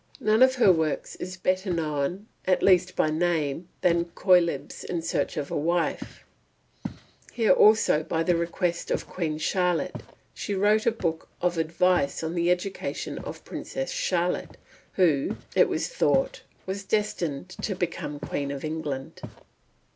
None of her works is better known, at least by name, than Cœlebs in Search of a Wife. Here also, by the request of Queen Charlotte, she wrote a book of advice on the education of Princess Charlotte, who, it was thought, was destined to become Queen of England.